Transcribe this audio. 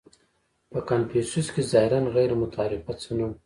• په کنفوسیوس کې ظاهراً غیرمتعارف څه نهو.